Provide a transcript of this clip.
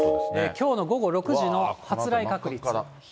きょうの午後６時の発雷確率。